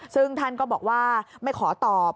ซึ่งท่านก็บอกว่าไม่ขอตอบ